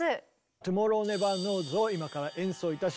「トゥモロー・ネバー・ノウズ」を今から演奏いたします。